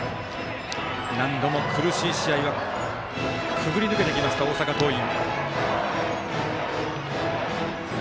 何度も苦しい試合はくぐり抜けてきました大阪桐蔭。